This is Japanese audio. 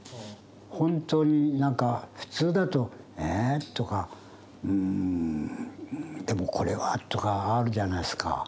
本当になんか普通だと「えぇ」とか「うんでもこれは」とかあるじゃないですか。